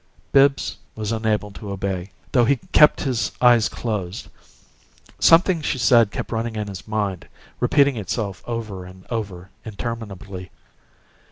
Bibbs was unable to obey, though he kept his eyes closed. Something she had said kept running in his mind, repeating itself over and over interminably.